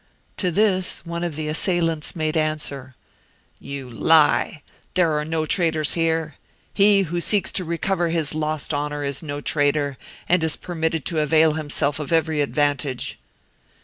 To this, one of the assailants made answer—"You lie; there are no traitors here. He who seeks to recover his lost honour is no traitor, and is permitted to avail himself of every advantage."